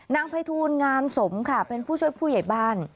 นายภัยทูลงานสมค่ะเป็นผู้ช่วยผู้ใหญ่บ้าน